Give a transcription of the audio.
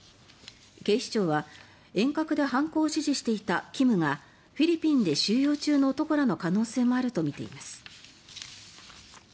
警視庁は、遠隔で犯行を指示していたＫＩＭがフィリピンで収容中の男らの可能性もあるとみています。